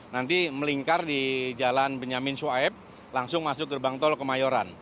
nanti melingkar di jalan benyamin soaib langsung masuk gerbang tol ke mayorat